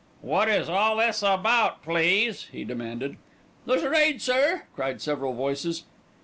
"What is all this about, please?" he demanded. "There's a raid, sir," cried several voices.